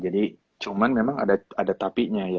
jadi cuman memang ada tapi nya ya